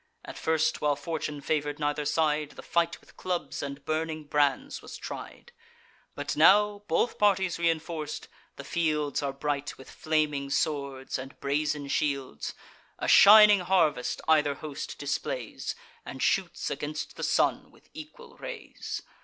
At first, while fortune favour'd neither side, The fight with clubs and burning brands was tried; But now, both parties reinforc'd, the fields Are bright with flaming swords and brazen shields. A shining harvest either host displays, And shoots against the sun with equal rays.